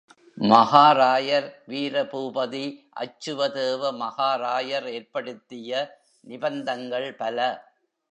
மகாராயர், வீரபூபதி அச்சுததேவ மகாராயர் ஏற்படுத்திய நிபந்தங்கள் பல.